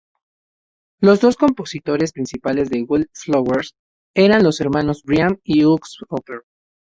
Los dos compositores principales de Wilde Flowers eran los hermanos Brian y Hugh Hopper.